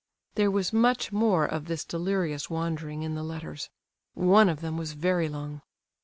There was much more of this delirious wandering in the letters—one of them was very long.